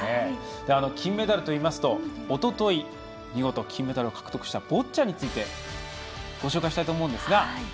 金メダルというとおととい、見事金メダルを獲得したボッチャについてご紹介したいと思います。